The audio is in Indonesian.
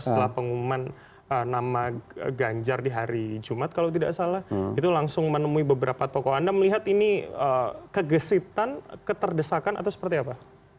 setelah pengumuman nama ganjar di hari jumat kalau tidak salah itu langsung menemui beberapa tokoh anda melihat ini kegesitan keterdesakan atau seperti apa